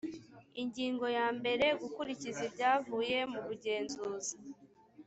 ingingo ya mbere gukurikiza ibyavuye mu bugenzuzi